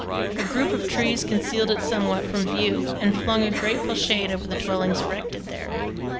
A group of trees concealed it somewhat from view and flung a grateful shade over the dwellings erected there.